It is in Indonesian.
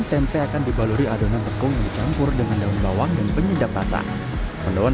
tempe akan dibaluri adonan tepung yang dicampur dengan daun bawang dan penyedap basah pedoman